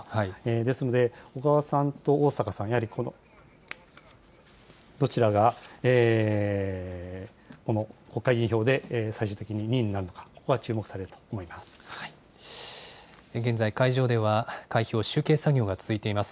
ですので、小川さんと逢坂さん、やはりこのどちらが、この国会議員票で最終的に２位になるのか、現在、会場では開票、集計作業が続いています。